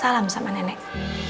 salam sama nenek